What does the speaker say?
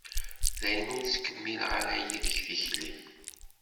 Dayen, ur ttkemmileɣ ara yid-k tikli.